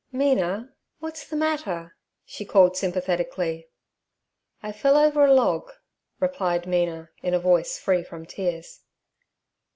'Mina, what's the matter?' she called sympathetically. 'I fell over a log' replied Mina, in a voice free from tears.